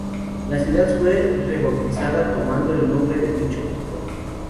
La ciudad fue rebautizada tomando el nombre de dicho pico.